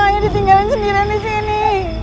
soalnya ditinggalin sendirian di sini